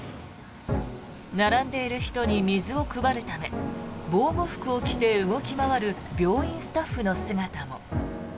並んでいる人に水を配るため防護服を着て動き回る病院スタッフの姿も。